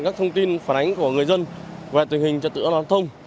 các thông tin phản ánh của người dân về tình hình trật tự an toàn thông